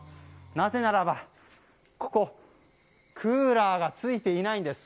なぜならば、ここはクーラーがついていないんです。